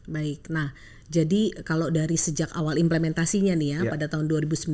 baik nah jadi kalau dari sejak awal implementasinya nih ya pada tahun dua ribu sembilan belas